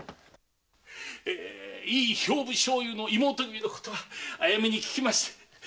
井伊兵部少輔の妹君のことはあやめに聞きました。